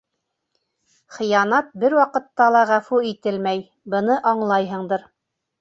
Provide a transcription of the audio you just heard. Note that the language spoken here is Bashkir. — Хыянат бер ваҡытта ла ғәфү ителмәй, быны аңлайһыңдыр.